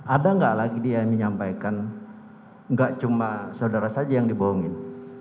ada gak lagi dia menyampaikan gak cuma saudara saja yang dibohongin